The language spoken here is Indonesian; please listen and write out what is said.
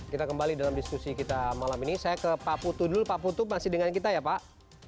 kita kembali dalam diskusi kita malam ini saya ke pak putu dulu pak putu masih dengan kita ya pak